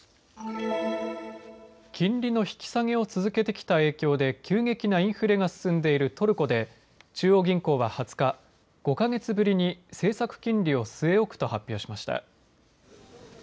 金利の引き下げを続けてきた影響で急激なインフレが進んでいるトルコで中央銀行は２０日、５か月ぶりに政策金利を据え置くと発表しました。